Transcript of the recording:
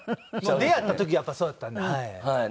出会った時やっぱりそうやったんではい。